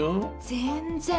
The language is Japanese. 全然。